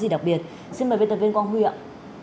xin cảm ơn biên tập viên hiền minh và biên tập viên thu hương